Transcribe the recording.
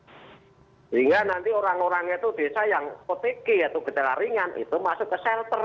sehingga nanti orang orangnya itu desa yang otg atau gejala ringan itu masuk ke shelter